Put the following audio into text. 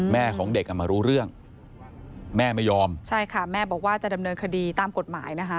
แม่ของเด็กอ่ะมารู้เรื่องแม่ไม่ยอมใช่ค่ะแม่บอกว่าจะดำเนินคดีตามกฎหมายนะคะ